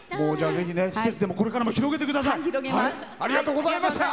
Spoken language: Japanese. ぜひ、施設でもこれからも広げてください！